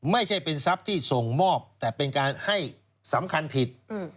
ไม่ใช่เป็นทรัพย์ที่ส่งมอบแต่เป็นการให้สำคัญผิด